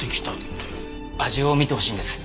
味を見てほしいんです。